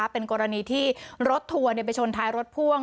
เป็นกรณีที่รถทัวร์ไปชนท้ายรถพ่วง